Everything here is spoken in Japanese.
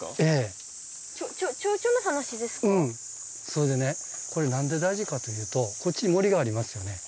それでねこれ何で大事かというとこっちに森がありますよね。